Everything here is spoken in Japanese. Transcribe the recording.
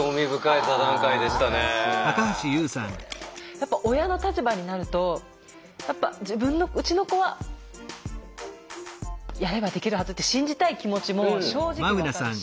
やっぱ親の立場になると自分のうちの子はやればできるはずって信じたい気持ちも正直分かるし。